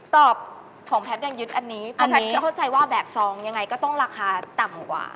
ตอบของแพทย์ยังยึดอันนี้แพทย์ก็เข้าใจว่าแบบซองยังไงก็ต้องราคาต่ำกว่า